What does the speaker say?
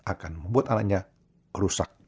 akan membuat anaknya rusak